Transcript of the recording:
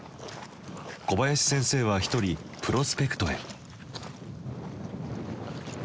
小林先生は一人プロスペクトへ。